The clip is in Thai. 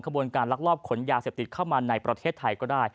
บนการลักลอบขนยาเสพติดเข้ามาในประเทศไทยก็ได้